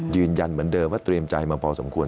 ยืนยันเหมือนเดิมว่าเตรียมใจมาพอสมควร